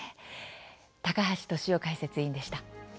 高橋俊雄解説委員でした。